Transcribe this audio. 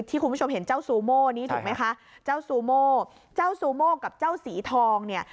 คุณผู้ชมเห็นเจ้าซูโม่นี้ถูกไหมคะเจ้าซูโมเจ้าซูโม่กับเจ้าสีทองเนี่ย